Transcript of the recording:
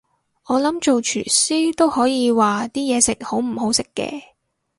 我諗唔做廚師都可以話啲嘢食好唔好食嘅